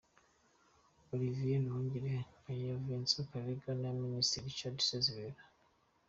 Olivier Nduhungirehe aya Vincent Karega n’aya Minisitiri Richard Sezibera.